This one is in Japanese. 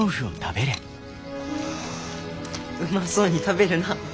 うまそうに食べるな。